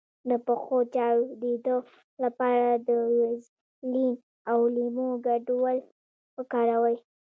د پښو د چاودیدو لپاره د ویزلین او لیمو ګډول وکاروئ